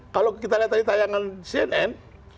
kalau kita lihat dari tayangan cnn